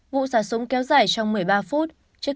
vụ giả súng kéo dài trong một mươi ba phút